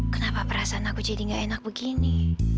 kenapa perasaan aku jadi gak enak begini